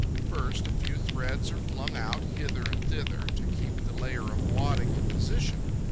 First, a few threads are flung out, hither and thither, to keep the layer of wadding in position.